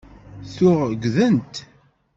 Tuɣ ggtent.